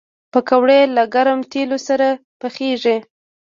پکورې له ګرم تیلو سره پخېږي